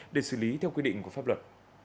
để xử lý theo quy định của pháp luật